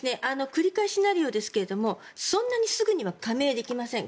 繰り返しになるようですがそんなにすぐには加盟できません。